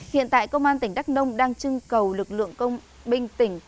hiện tại công an tỉnh đắk nông đang chưng cầu lực lượng công binh tỉnh